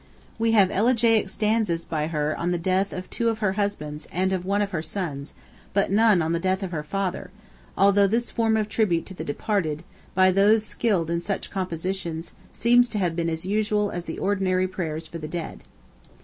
We have elegiac stanzas by her on the death of two of her husbands and of one of her sons, but none on the death of her father: although this form of tribute to the departed, by those skilled in such compositions, seems to have been as usual as the ordinary prayers for the dead.